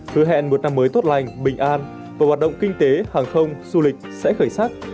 hứa hẹn một năm mới tốt lành bình an và hoạt động kinh tế hàng không du lịch sẽ khởi sắc